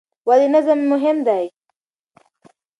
ولې نظم مهم دی؟